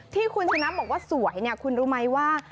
ที่คุณชนะบอกว่าสวยเนี่ยคุณรู้ไหมว่า